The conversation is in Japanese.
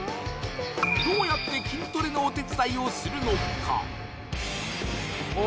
どうやって筋トレのお手伝いをするのか？